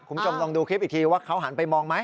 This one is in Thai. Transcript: คุณผู้ชมลองดูคลิปอีกทีว่าเขาหันไปมองไหม